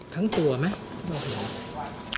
ทั้งตัวไหมนอกหลัง